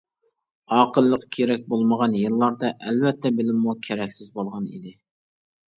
ئاقىللىق كېرەك بولمىغان يىللاردا ئەلۋەتتە بىلىممۇ كېرەكسىز بولغان ئىدى.